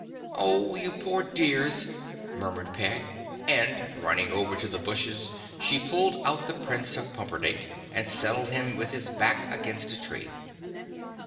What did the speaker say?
"Oh, you poor dears!" murmured Peg, and running over to the bushes she pulled out the Prince of Pumperdink and settled him with his back against a tree.